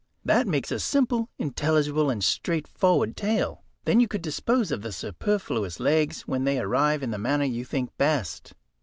That makes a simple, intelligible, and straightforward tale. Then you could dispose of the superfluous legs when they arrived in the manner you think best."